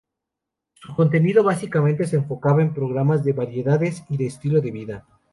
Su contenido básicamente se enfocaba en programas de variedades y de estilo de vida.